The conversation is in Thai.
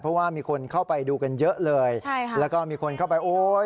เพราะว่ามีคนเข้าไปดูกันเยอะเลยใช่ค่ะแล้วก็มีคนเข้าไปโอ้ย